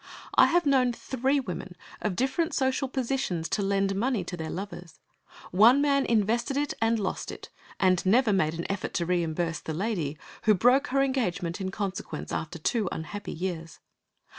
I have known three women of different social positions to lend money to their lovers. One man invested it and lost it, and never made an effort to reimburse the lady, who broke her engagement in consequence, after two unhappy years.